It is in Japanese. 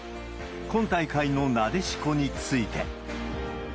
今大会のなでしこについて。